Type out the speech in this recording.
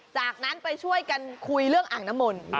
จากนั้นไปช่วยกันคุยเรื่องอ่างน้ำมนต์